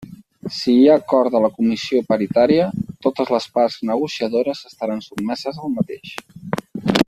Si hi ha acord de la comissió paritària, totes les parts negociadores estaran sotmeses al mateix.